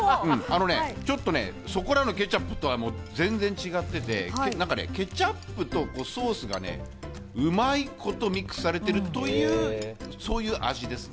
そこらのケチャップとは全然違っていて、ケチャップとソースがうまいことミックスされてるという、そういう味です。